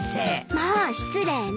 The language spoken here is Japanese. まあ失礼ね。